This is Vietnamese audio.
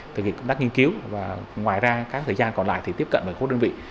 thực hiện công tác nghiên cứu và ngoài ra các thời gian còn lại thì tiếp cận với khối đơn vị